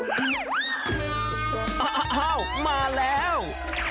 อ้าวมาแล้ว